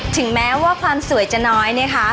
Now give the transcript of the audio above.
ถึงแม้ว่าความสวยจะน้อยนะคะ